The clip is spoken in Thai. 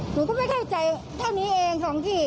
หนูก็ไม่เข้าใจเท่านี้เองสองที่